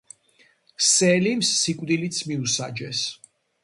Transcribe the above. სელიმს სიკვდილიც მიუსაჯეს.